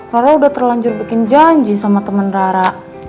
rara udah terlanjur bikin janji sama teman rara